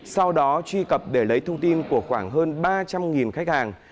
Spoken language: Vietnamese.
sau đó truy cập để lấy thông tin của khoảng hơn ba trăm linh khách hàng